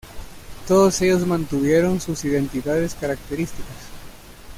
Todos ellos mantuvieron sus identidades características.